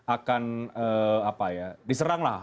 akan apa ya diseranglah